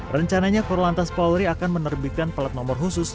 rencananya korlantas polri akan menerbitkan pelat nomor khusus